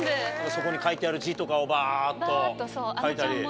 そこに書いてある字とかをバっと書いたり。